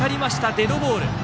デッドボール。